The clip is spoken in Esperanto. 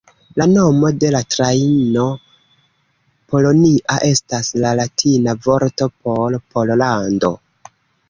La nomo de la trajno, "Polonia", estas la latina vorto por "Pollando".